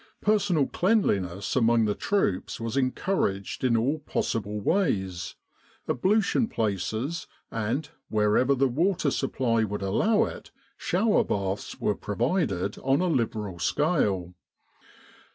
Personal cleanliness among the troops was encouraged in all possible ways, ablution places, and wherever the water supply would allow it shower baths, were provided on a liberal scale.